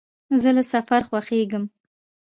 زه له سفر خوښېږم.